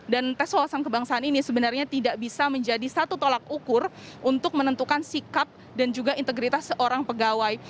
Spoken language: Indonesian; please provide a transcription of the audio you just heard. dan tes wawasan kebangsaan ini sebenarnya tidak bisa menjadi satu tolak ukur untuk menentukan sikap dan juga integritas seorang pegawai